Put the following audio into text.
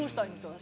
私。